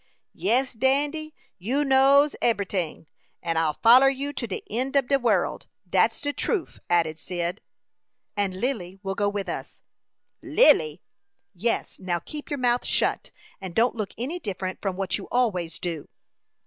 "Yes, Dandy, you knows ebery ting, and I'll foller you to de end ob de world dat's de truf," added Cyd. "And Lily will go with us." "Lily?" "Yes; now keep your mouth shut, and don't look any different from what you always do."